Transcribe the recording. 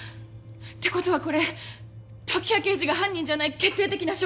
って事はこれ時矢刑事が犯人じゃない決定的な証拠です！